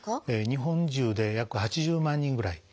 日本中で約８０万人ぐらい。